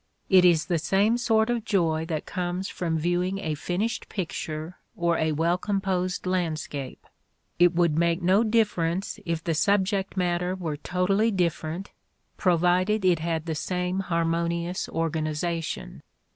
It is the same sort of joy that comes from viewing a finished picture or a well composed landscape. It would make no difference if the subject matter were totally different, provided it had the same harmonious organization.